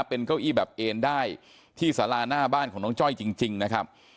เป็นเก้าอี้แบบเอ็นได้ที่สาราหน้าบ้านของน้องจ้อยจริงนะครับ